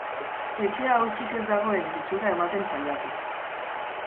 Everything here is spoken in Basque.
Etxea hutsik ez dagoen itxura ematen saiatu.